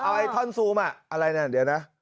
เอาไอ้ท่อนซูมอะไรนะเดี๋ยวนะ